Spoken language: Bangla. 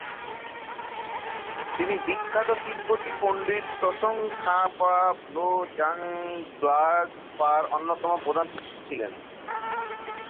তিনি বিখ্যাত তিব্বতী পণ্ডিত ত্সোং-খা-পা-ব্লো-ব্জাং-গ্রাগ্স-পার অন্যতম প্রধান শিষ্য ছিলেন।